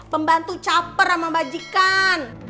pembantu caper sama bajikan